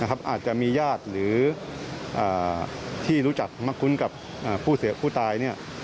อาจจะมีญาติหรือที่รู้จักมะคุ้นกับผู้เสียผู้ตายเนี่ย